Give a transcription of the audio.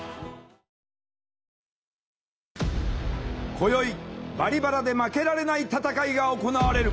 今宵「バリバラ」で負けられない戦いが行われる。